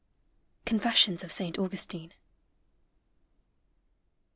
''— Confessions of Saint Augustine.